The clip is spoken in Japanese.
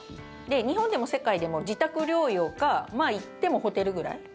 日本でも世界でも自宅療養か行ってもホテルぐらい。